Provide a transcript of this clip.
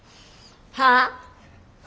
はあ！？